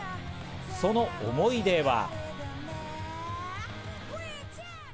その思い出は。